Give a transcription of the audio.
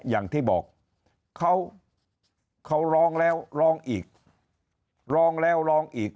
อย่างที่บอกเขาร้องแล้วร้องอีกร้องแล้วร้องอีก